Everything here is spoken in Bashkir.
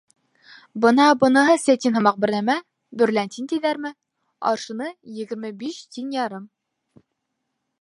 — Бына быныһы сәтин һымаҡ бер нәмә, бөрләнтин тиҙәрме, аршыны егерме биш тин ярым.